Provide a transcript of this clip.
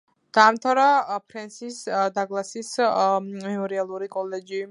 დაამთავრა ფრენსის დაგლასის მემორიალური კოლეჯი.